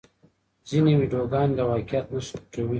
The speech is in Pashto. ځینې ویډیوګانې د واقعیت نښې پټوي.